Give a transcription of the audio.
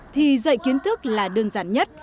thì dạy kiến thức là đơn giản nhất